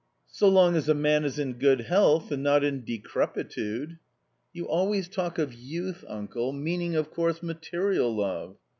So long as a man is in good health and not in decrepitude " "You always talk of youth, uncle, meaning, of course, material love."